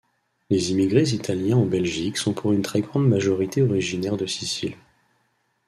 Les immigrés italiens en Belgique sont pour une très grande majorité originaire de Sicile.